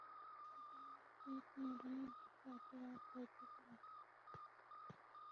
জানি না পিঙ্কি ম্যাডামের ভেতর এতো রাগ কই থেকে আসলো?